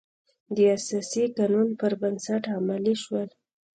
د اساسي قانون پر بنسټ عملي شول.